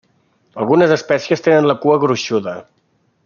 Algunes espècies tenen la cua gruixuda.